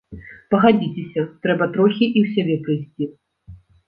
Пагадзіцеся, трэба трохі і ў сябе прыйсці.